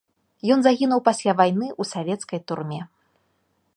Ён загінуў пасля вайны ў савецкай турме.